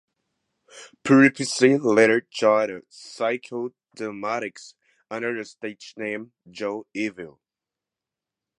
Piripitzi later joined the Psycho Delmatics under the stage name, Joe Evil.